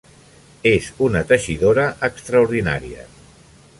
És una teixidora extraordinària.